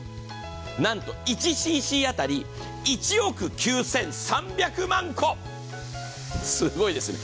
なんと１ｃｃ当たり１億９３００万個、すごいですね。